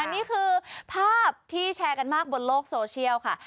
นี่คือภาพที่แชร์กันมากบนโลกโซเชียลค่ะ